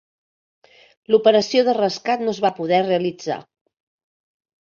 L'operació de rescat no es va poder realitzar.